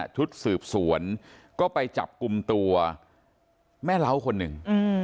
ชุดสืบสวนก็ไปจับกลุ่มตัวแม่เล้าคนหนึ่ง